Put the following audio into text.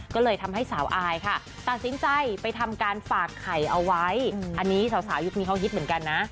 ก็เลยทำให้สาวอายค่ะตัดสินใจไปทำการฝากไข่เอาไว้อันนี้สาวยุคนี้เขาฮิตเหมือนกันนะ